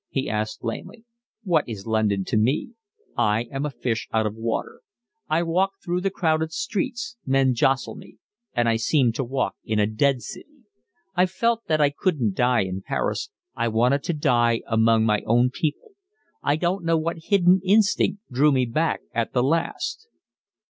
he asked lamely. "What is London to me? I am a fish out of water. I walk through the crowded streets, men jostle me, and I seem to walk in a dead city. I felt that I couldn't die in Paris. I wanted to die among my own people. I don't know what hidden instinct drew me back at the last."